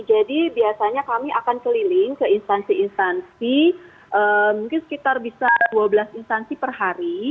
jadi biasanya kami akan keliling ke instansi instansi mungkin sekitar bisa dua belas instansi per hari